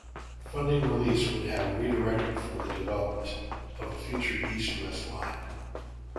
Funding released would have redirected for the development of a future east-west line.